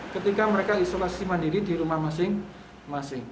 ketika mereka isolasi mandiri di rumah masing masing